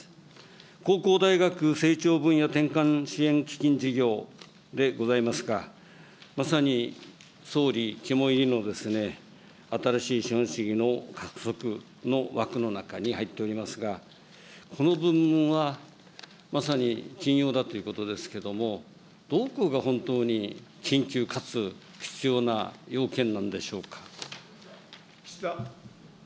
高校大学成長分野転換支援基金事業でございますが、まさに総理肝いりの新しい資本主義の加速の枠の中に入っておりますが、この部分は、まさに緊要だということですけれども、どこが本当に緊急かつ必要な要件なんでしょうか。